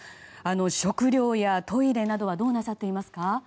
食料やトイレなどはどうなさっていますか？